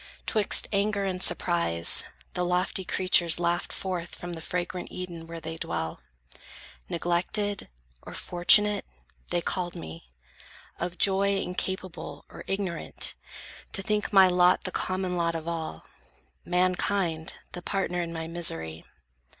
'Twixt anger and surprise, the lofty creatures laughed Forth from the fragrant Eden where they dwell; Neglected, or unfortunate, they called me; Of joy incapable, or ignorant, To think my lot the common lot of all, Mankind, the partner in my misery.